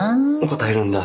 答えるんだ！？